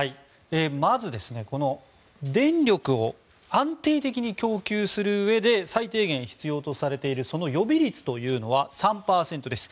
まず電力を安定的に供給するうえで最低限必要とされている予備率というのは３％です。